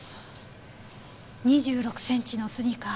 ２６センチのスニーカー。